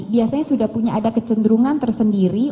biasanya sudah punya ada kecenderungan tersendiri